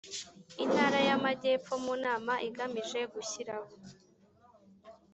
Intara y Amajyepfo mu nama igamije gushyiraho